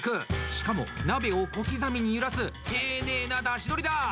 しかも鍋を小刻みに揺らす丁寧なだしどりだ！